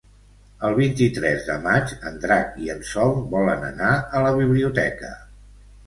El vint-i-tres de maig en Drac i en Sol volen anar a la biblioteca.